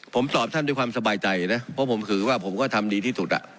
ผมตอบท่านด้วยความสบายใจนะเพราะผมถือว่าผมก็ทำดีที่สุด